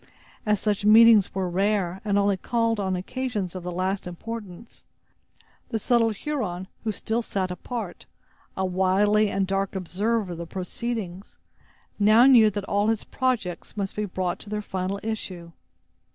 As such meetings were rare, and only called on occasions of the last importance, the subtle Huron, who still sat apart, a wily and dark observer of the proceedings, now knew that all his projects must be brought to their final issue.